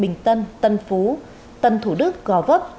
bình tân tân phú tân thủ đức gò vấp